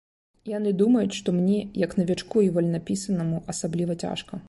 Яны думаюць, што мне, як навічку і вальнапісанаму, асабліва цяжка.